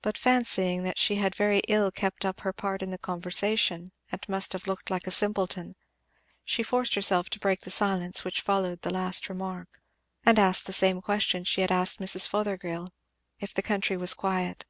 But fancying that she had very ill kept up her part in the conversation and must have looked like a simpleton, she forced herself to break the silence which followed the last remark, and asked the same question she had asked Mrs. Fothergill, if the country was quiet?